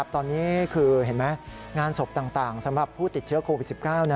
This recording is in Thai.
ตอนนี้คือเห็นไหมงานศพต่างสำหรับผู้ติดเชื้อโควิด๑๙